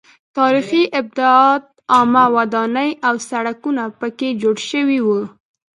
تاریخي ابدات عامه ودانۍ او سړکونه پکې جوړ شوي وو.